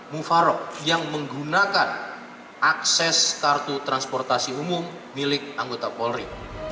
mufarok yang menggunakan akses kartu transportasi umum milik anggota polri